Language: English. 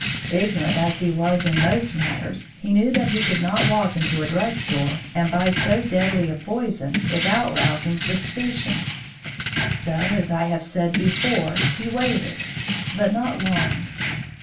Ignorant as he was in most matters, he knew that he could not walk into a drug store and buy so deadly a poison without rousing suspicion. So, as I have said before, he waited. But not long.